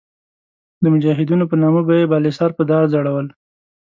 د مجاهدینو په نامه به یې بالاحصار په دار ځړول.